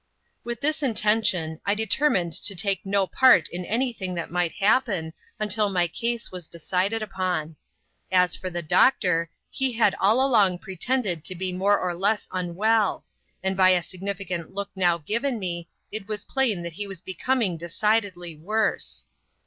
With this intention, I determined to take no part in any thing that might happen, until my case was decided upon. As for the doctor, he had all along pretended to be more or less ■unwell ; and by a significant look now given me, it was plain that he was becoming decidedly worse.